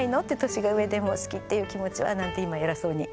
年が上でも好きっていう気持ちは」なんて今偉そうに。